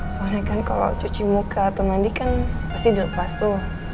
soalnya kan kalau cuci muka atau mandi kan pasti dilepas tuh